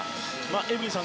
エブリンさん